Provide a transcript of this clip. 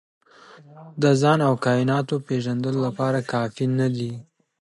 د ځان او کایناتو پېژندلو لپاره کافي نه دي.